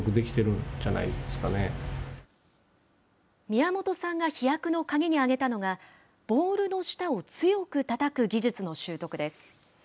宮本さんが飛躍の鍵に挙げたのが、ボールの下を強くたたく技術の習得です。